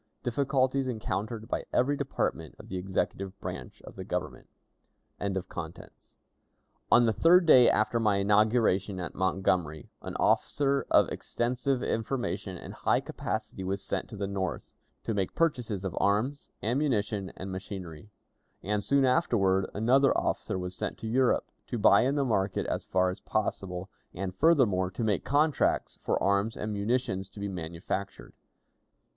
Difficulties encountered by Every Department of the Executive Branch of the Government. On the third day after my inauguration at Montgomery, an officer of extensive information and high capacity was sent to the North, to make purchases of arms, ammunition, and machinery; and soon afterward another officer was sent to Europe, to buy in the market as far as possible, and, furthermore, to make contracts for arms and munitions to be manufactured.